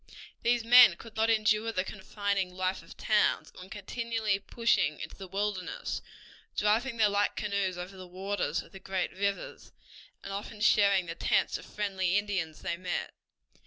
These men could not endure the confining life of towns, and were continually pushing into the wilderness, driving their light canoes over the waters of the great rivers, and often sharing the tents of friendly Indians they met.